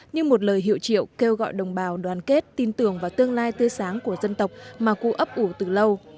như một lời hiệu triệu kêu gọi đồng bào đoàn kết tin tưởng vào tương lai tươi sáng của dân tộc mà cụ ấp ủ từ lâu